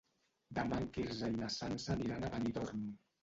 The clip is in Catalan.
Demà en Quirze i na Sança aniran a Benidorm.